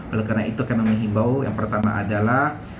oleh karena itu kami menghimbau yang pertama adalah